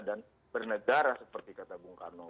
dan bernegara seperti kata bung karno